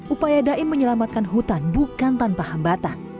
upaya daim menyelamatkan hutan bukan tanpa hambatan